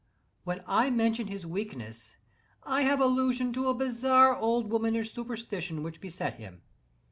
When I mention his weakness I have allusion to a bizarre old womanish superstition which beset him.